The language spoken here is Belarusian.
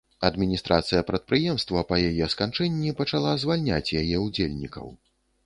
Адміністрацыя прадпрыемства па яе сканчэнні пачала звальняць яе ўдзельнікаў.